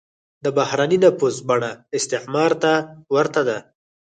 د بهرنی نفوذ بڼه استعمار ته ورته ده.